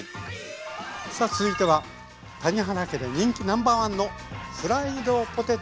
さあ続いては谷原家で人気ナンバーワンのフライドポテト。